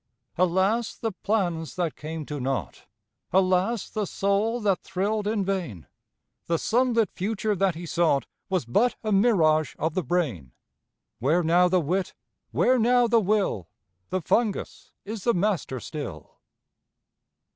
Alas the plans that came to nought! Alas the soul that thrilled in vain! The sunlit future that he sought Was but a mirage of the brain. Where now the wit? Where now the will? The fungus is the master still.